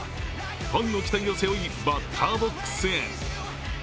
ファンの期待を背負い、バッターボックスへ。